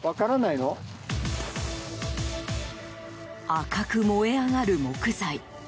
赤く燃え上がる木材。